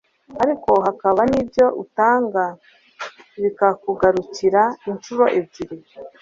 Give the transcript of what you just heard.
ariko hakaba n'ibyo utanga bikakugarukira incuro ebyiri